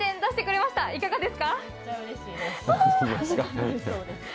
うれしいです。